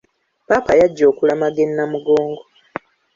Ppaapa yajja okulamaga e Namugongo.